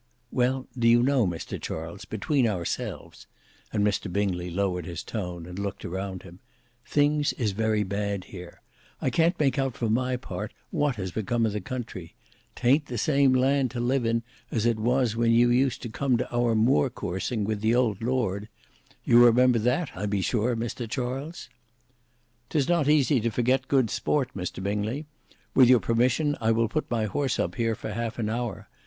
"Well, do you know, Mr Charles, between ourselves," and Mr Bingley lowered his tone, and looked around him, "Things is very bad here; I can't make out, for my part, what has become of the country. Tayn't the same land to live in as it was when you used to come to our moor coursing, with the old lord; you remember that, I be sure, Mr Charles?" "'Tis not easy to forget good sport, Mr Bingley. With your permission, I will put my horse up here for half an hour.